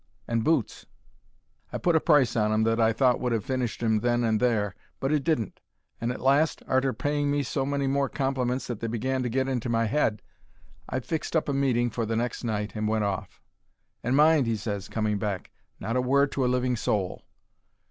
And boots." I put a price on 'em that I thought would 'ave finished 'im then and there, but it didn't. And at last, arter paying me so many more compliments that they began to get into my 'ead, he fixed up a meeting for the next night and went off. "And mind," he ses, coming back, "not a word to a living soul!"